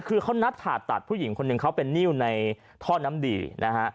คือเขานัดผ่าตัดผู้หญิงคนหนึ่งเขาเป็นนิ้วในท่อน้ำดีนะฮะ